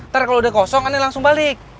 nanti kalau udah kosong ane langsung balik